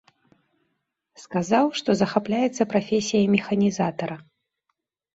Сказаў, што захапляецца прафесіяй механізатара.